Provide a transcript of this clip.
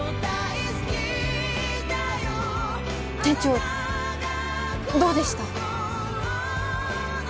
店長どうでした？